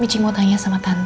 biji mau tanya sama tante